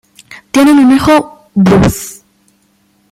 Tienen un hijo, Buzz.